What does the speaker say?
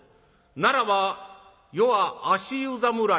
「ならば余は足湯侍か」。